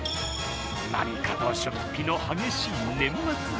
何かと出費の激しい年末。